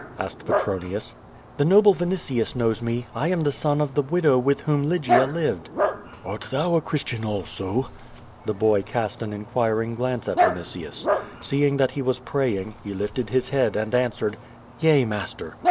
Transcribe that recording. asked Petronius. "The noble Vinitius knows jne, I am the son of the widow with whom Lygia lived." "Art thou a Christian also?" The boy cast an inquiring glance at Vinitius. Seeing that he was praying he lifted his head and answered: ^*Yea, master."